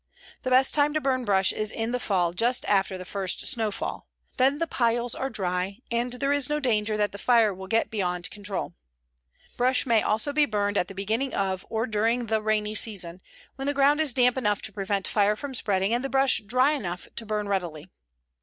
The best time to burn brush is in the fall, just after the first snowfall. Then the piles are dry, and there is no danger that the fire will get beyond control. Brush may also be burned at the beginning of or during the rainy season, when the ground is damp enough to prevent the fire from spreading, and the brush dry enough to burn readily.